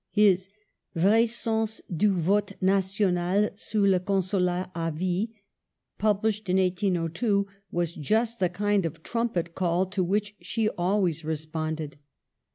His Vrai Sens du Vdte National sur le Consulat d Vie, published in 1802, was just the kind of trumpet call to which she always respond ed.